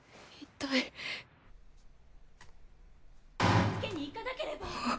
助けに行かなければ！